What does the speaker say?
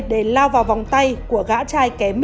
để lao vào vòng tay của gã trai kém mình bảy tuổi